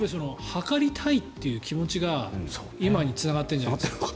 測りたいという気持ちが今につながっているんじゃないですか。